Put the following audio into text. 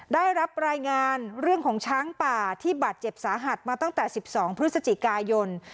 ได้รับรายงานเรื่องของช้างป่าที่บาดเจ็บสาหัสมาตั้งแต่๑๒พฤศจิกายน